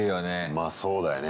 まあそうだよね。